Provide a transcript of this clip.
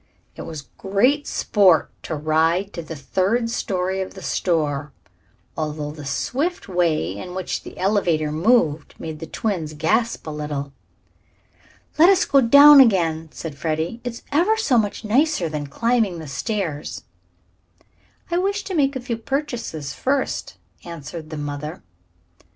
It was great sport to ride to the third story of the store, although the swift way in which the elevator moved made the twins gasp a little. "Let us go down again," said Freddie. "It's ever so much nicer than climbing the stairs." "I wish to make a few purchases first," answered the mother.